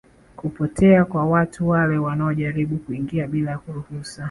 kupotea kwa watu wale wanaojaribu kuingia bila ruhusu